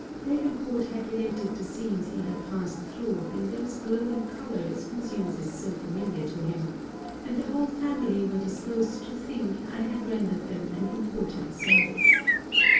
Davenport had related the scenes he had passed through in those glowing colours whose use is so familiar to him; and the whole family were disposed to think I had rendered them an important service.